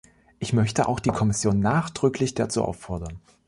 Ich möchte auch die Kommission nachdrücklich dazu auffordern.